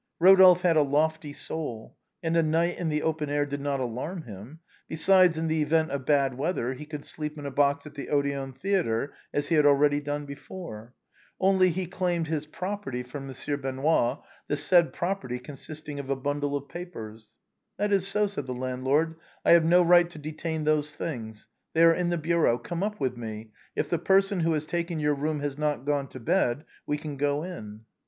Eodolphe had a loftly soul, and a night in the open air did not alarm him. Besides, in the event of bad weather, he could sleep in a box at the Odéon Theatre, as he had already done before. Only he claimed " his property " 122 THE BOHEMIANS OF THE LATIN QUARTER. from Monsieur Benoît, the said property consisting of a bundle of papers. " That is so," said the landlord. " I have no right to detain those things. They are in the bureau. Come up with me; if the person who has taken your room has not gone to bed, we can go in."